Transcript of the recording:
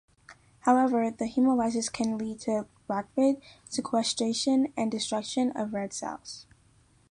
However, the hemolysis can lead to rapid sequestration and destruction of red cells.